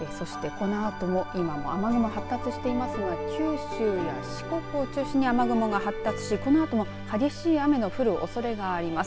そしてこのあとも今も雨雲発達していますが九州や四国を中心に雨雲が発達し、このあとも激しい雨の降るおそれがあります。